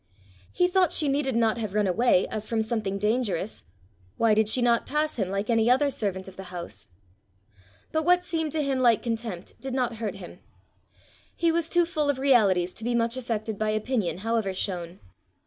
He thought she needed not have run away as from something dangerous: why did she not pass him like any other servant of the house? But what seemed to him like contempt did not hurt him. He was too full of realities to be much affected by opinion however shown.